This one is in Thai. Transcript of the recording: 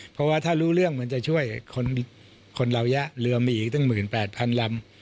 เพราะว่าถ้ารู้เรื่องมันจะช่วยคนเหลือมีอีก๑๘๐๐๐ลำ